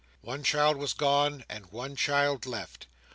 One child was gone, and one child left.